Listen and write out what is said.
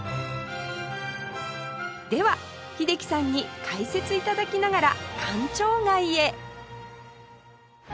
では英樹さんに解説頂きながら官庁街へ